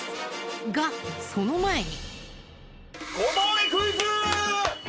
がその前に。